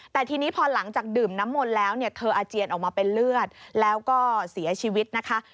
แต่ทีนี้พอหลังจากดื่มน้ำมนต์แล้วเนี่ยเธออาเจียนออกมาเป็นเลือดแล้วก็เสียชีวิตนะคะ